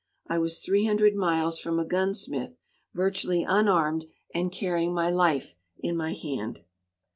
I was three hundred miles from a gunsmith, virtually unarmed, and carrying my life in my hand.